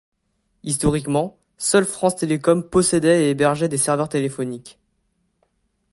Historiquement, seul France Télécom possédait et hébergeait des serveurs téléphoniques.